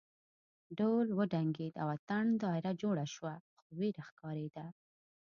ډول وډنګېد او اتڼ دایره جوړه شوه خو وېره ښکارېده.